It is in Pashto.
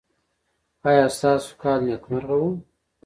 ایا ستاسو کال نیکمرغه و؟